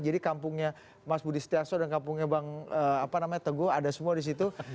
jadi kampungnya mas budi setiaso dan kampungnya bang teguh ada semua di situ